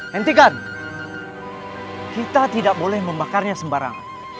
hentikan kita tidak boleh membakarnya sembarang